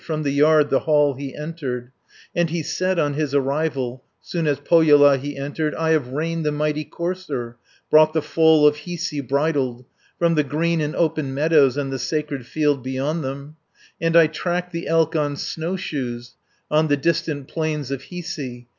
From the yard the hall he entered, And he said on his arrival, Soon as Pohjola he entered: "I have reined the mighty courser, Brought the foal of Hiisi bridled, From the green and open meadows, And the sacred field beyond them, And I tracked the elk on snowshoes, On the distant plains of Hiisi.